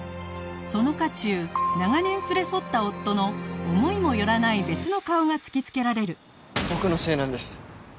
その渦中長年連れ添った夫の思いもよらない別の顔が突きつけられる